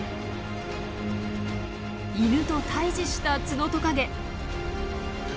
イヌと対峙したツノトカゲ。